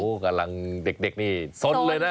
กำลังเด็กนี่สนเลยนะ